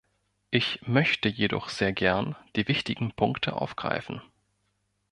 Ich möchte jedoch sehr gern die wichtigen Punkte aufgreifen.